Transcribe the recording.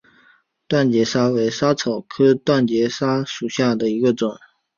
断节莎为莎草科断节莎属下的一个种。